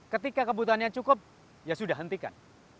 ketika kebutuhannya cukup ya sudah hentikan